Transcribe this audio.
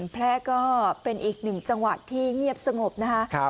แพร่ก็เป็นอีกหนึ่งจังหวัดที่เงียบสงบนะคะ